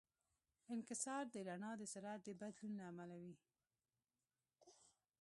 انکسار د رڼا د سرعت د بدلون له امله وي.